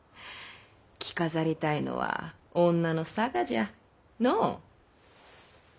着飾りたいのは女の性じゃのぅ。